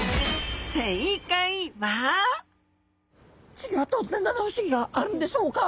稚魚はどんな七不思議があるんでしょうか？